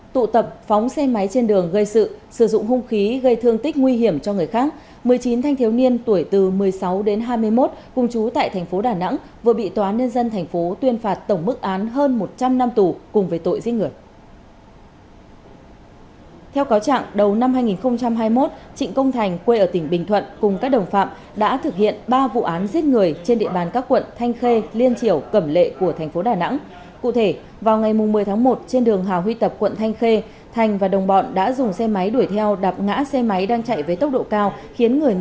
tụ tập phóng xe máy trên đường gây sự sử dụng hung khí gây thương tích nguy hiểm cho người khác một mươi chín thanh thiếu niên tuổi từ một mươi sáu đến hai mươi một cùng trú tại tp đà nẵng vừa bị tnth tuyên phạt tổng mức án hơn một trăm linh năm tù cùng với tội giết người